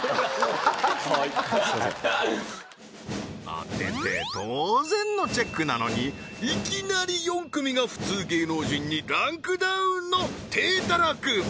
当てて当然のチェックなのにいきなり４組が普通芸能人にランクダウンの体たらく